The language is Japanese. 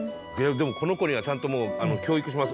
でもこの子にはちゃんともう教育します。